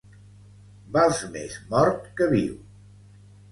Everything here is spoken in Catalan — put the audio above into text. Vals més mort que viu.